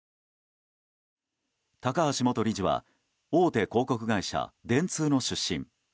高橋元理事は大手広告会社電通の出身。